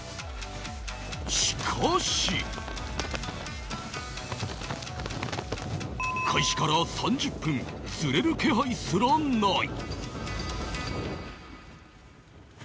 しかし開始から３０分釣れる気配すらない